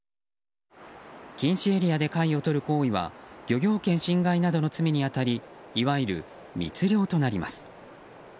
禁止エリアで貝をとる行為は漁業権侵害などの罪に当たりいわゆる密漁となります。